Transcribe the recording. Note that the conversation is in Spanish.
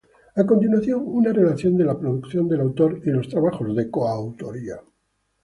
A continuación una relación de la producción del autor y los trabajos de coautoría.